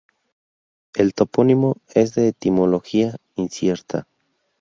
El topónimo es de etimología incierta.